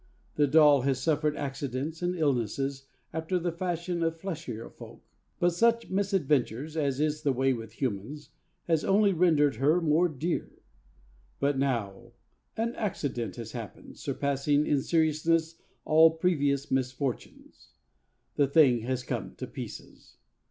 The doll has suffered accidents and illnesses after the fashion of fleshier folk; but such misadventures, as is the way with humans, has only rendered her more dear. But now an accident has happened, surpassing in seriousness all previous misfortunes. The thing has come to pieces!